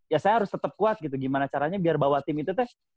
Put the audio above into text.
ya saya harus tetap kuat gitu gimana caranya biar bawa tim itu teh